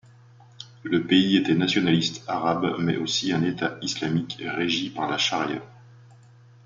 Le pays était nationaliste arabe, mais aussi un État islamique régi par la charia.